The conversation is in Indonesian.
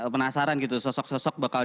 penasaran gitu sosok sosok bakal